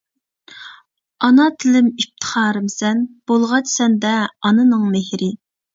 ئانا تىلىم ئىپتىخارىمسەن، بولغاچ سەندە ئانىنىڭ مېھرى.